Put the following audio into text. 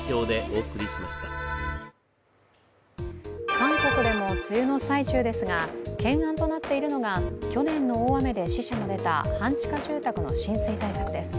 韓国でも梅雨の最中ですが懸案となっているのが去年の大雨で死者も出た半地下の浸水対策です。